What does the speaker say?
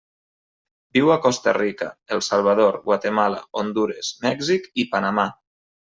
Viu a Costa Rica, El Salvador, Guatemala, Hondures, Mèxic i Panamà.